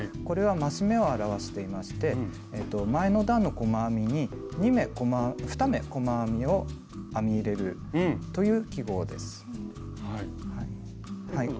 これは増し目を表していまして前の段の細編みに２目細編みを編み入れるという記号です。